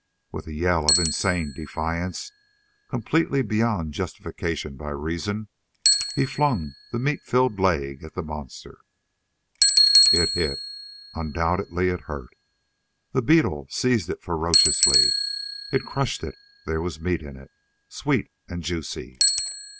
With a yell of insane defiance completely beyond justification by reason Burl flung that meat filled leg at the monster. It hit. Undoubtedly, it hurt. The beetle seized it ferociously. It crushed it. There was meat in it, sweet and juicy.